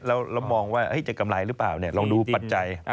เรามองว่าจะกำไรหรือเปล่าลองดูปัจจัย